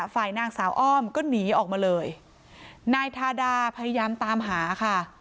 ฝ่ายนางสาวอ้อมก็หนีออกมาเลยนายทาดาพยายามตามหาค่ะ